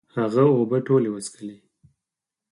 هغه اوبه ټولي وڅکلي